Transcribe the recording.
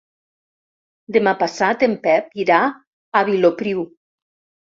Demà passat en Pep irà a Vilopriu.